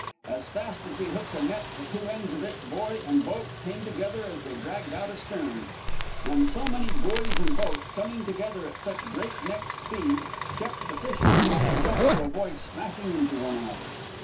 As fast as we hooked a net the two ends of it, buoy and boat, came together as they dragged out astern; and so many buoys and boats, coming together at such breakneck speed, kept the fishermen on the jump to avoid smashing into one another.